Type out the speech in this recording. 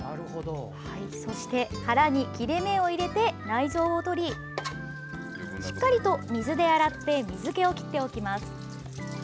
そして腹に切れ目を入れて内臓を取りしっかりと水で洗って水けを切っておきます。